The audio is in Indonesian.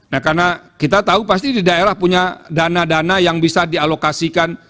nah karena kita tahu pasti di daerah punya dana dana yang bisa dialokasikan